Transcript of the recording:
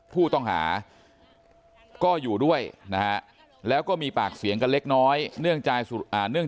ผู้ต้องหาก็อยู่ด้วยนะแล้วก็มีปากเสียงกันเล็กน้อยเนื่อง